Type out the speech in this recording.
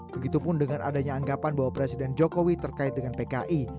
begitupun dengan adanya anggapan bahwa presiden jokowi terkait dengan pki